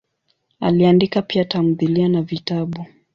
Aliandika pia tamthilia na vitabu.